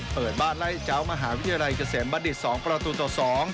เปิดบ้านไลฟ์เจ้ามหาวิทยาลัยกะเสศมาติดสองบรรทุตต่อสอง